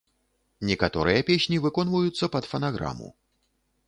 Некаторыя песні выконваюцца пад фанаграму.